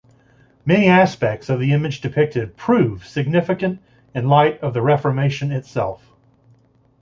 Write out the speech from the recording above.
Many aspects of the image depicted prove significant in light of the Reformation itself.